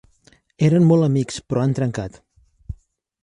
Eren molt amics, però han trencat.